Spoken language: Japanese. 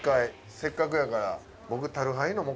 せっかくやから。